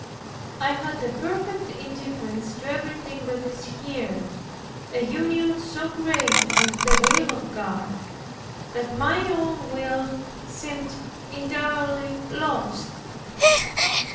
I had a perfect indifference to everything that is here, a union so great with the will of God, that my own will seemed entirely lost.